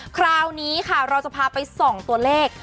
คราวนี้ค่ะเราจะพาไปส่องตัวเลข